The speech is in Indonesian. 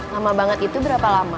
lama banget itu berapa lama